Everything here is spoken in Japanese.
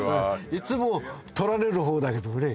いつも撮られる方だけどね